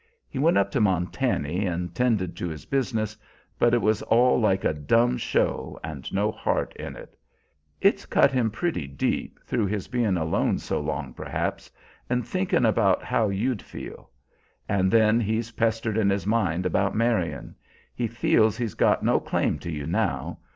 He went up to Montany and tended to his business, but it was all like a dumb show and no heart in it. It's cut him pretty deep, through his bein' alone so long, perhaps, and thinkin' about how you'd feel. And then he's pestered in his mind about marryin'. He feels he's got no claim to you now.